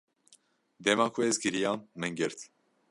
Dema ku ez giriyam min girt.